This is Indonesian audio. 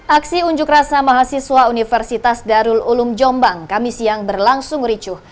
aksi unjuk rasa mahasiswa universitas darul ulum jombang kami siang berlangsung ricuh